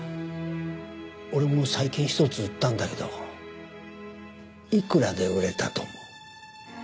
俺も最近１つ売ったんだけどいくらで売れたと思う？